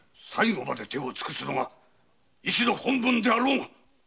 最後まで手を尽くすのが医師の本分であろうが！